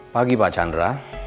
pagi pak chandra